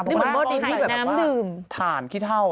นี่เหมือนหม้อดินที่แบบน้ำดื่มถ่านขี้เท่า